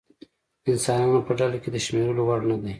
د انسانانو په ډله کې د شمېرلو وړ نه دی.